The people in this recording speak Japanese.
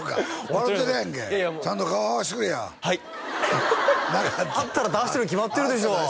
笑うてるやんけちゃんと顔合わしてくれやはいあったら出してるに決まってるでしょ